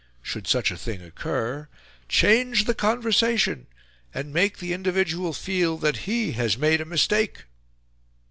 Should such a thing occur, "change the conversation, and make the individual feel that he has made a mistake."